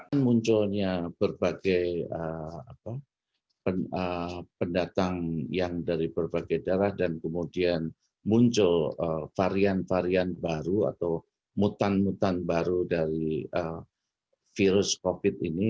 dengan munculnya berbagai pendatang yang dari berbagai daerah dan kemudian muncul varian varian baru atau mutan mutan baru dari virus covid ini